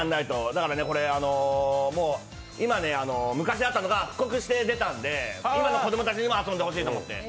だからね、これ、今、昔あったのが復刻して出たので今の子供たちにも遊んでほしいと思って。